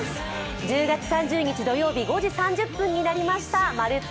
１０月３０日土曜日５時３０分になりました「まるっと！